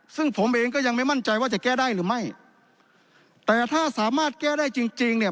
ซึ่งผมเองก็ยังไม่มั่นใจว่าจะแก้ได้หรือไม่แต่ถ้าสามารถแก้ได้จริงจริงเนี่ย